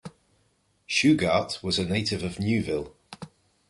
Shughart was a native of Newville.